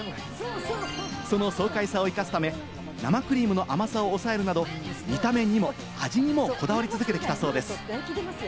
その爽快さを生かすため、生クリームの甘さを抑えるなど、見た目にも味にもこだわり続けてきたそうです。